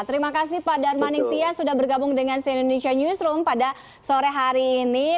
terima kasih pak darmanitia sudah bergabung dengan sien indonesia newsroom pada sore hari ini